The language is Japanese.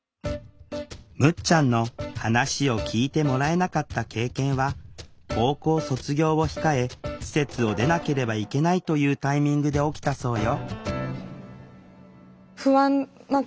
むっちゃんの話を聴いてもらえなかった経験は高校卒業を控え施設を出なければいけないというタイミングで起きたそうよ